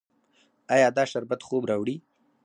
ایا دا شربت خوب راوړي؟